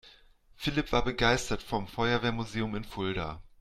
Philipp war begeistert vom Feuerwehrmuseum in Fulda.